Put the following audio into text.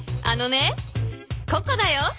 あのねココだよ。